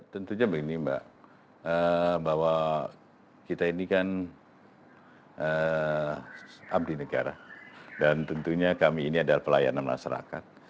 tentunya begini mbak bahwa kita ini kan abdi negara dan tentunya kami ini adalah pelayanan masyarakat